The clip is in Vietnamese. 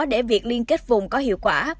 để việc liên kết vùng có hiệu quả